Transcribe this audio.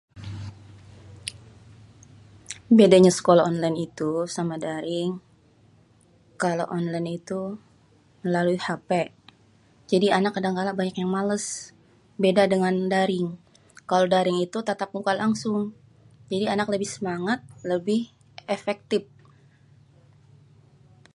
bedênyê sekolah onlén ituh, sama daring kalo onlén itu melalui hp, jadi anak kadangkala banyak yang malês, bèda dengan daring, kalo daring itu tatap muka langsung, jadi anak lebih semangat, lebih efektif.